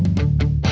aku mau ke sana